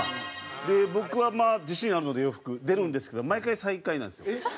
で僕はまあ自信あるので洋服出るんですけど毎回最下位なんですよ。ハハハ！